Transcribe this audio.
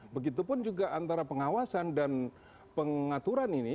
begitu pun juga antara pengawasan dan pengaturan ini